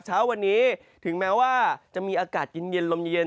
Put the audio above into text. เช้าวันนี้ถึงแม้ว่าจะมีอากาศเย็นลมเย็น